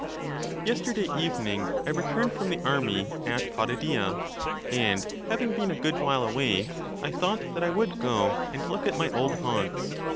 Yesterday evening I returned from the army at Potidaea, and having been a good while away, I thought that I would go and look at my old haunts.